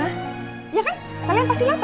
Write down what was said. kau gak usah masuk kunjungi